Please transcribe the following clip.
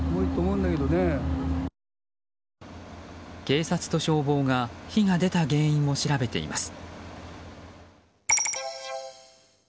警察と消防が火が出た原因を調べています。